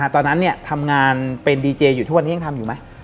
ตอนนั้นทำงานเป็นดีเจอยู่ทุกวันนี้ยังทำอยู่ไหม